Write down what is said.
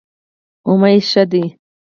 امید ښه دی.